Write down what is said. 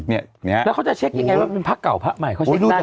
แล้วเขาจะเช็คยังไงว่าเป็นพระเก่าพระใหม่เขาเช็คได้